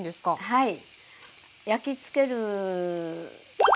はい。